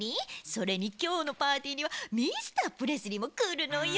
それにきょうのパーティーにはミスタープレスリーもくるのよ。